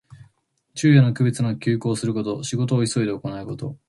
昼夜の区別なく急行すること。仕事を急いで行うこと。